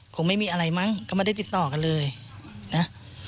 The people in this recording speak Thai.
คงไม่มีอะไรมั้งก็ไม่ได้ติดต่อกันเลยนะ